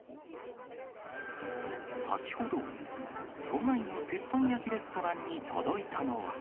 先ほど都内の鉄板焼きレストランに届いたのは。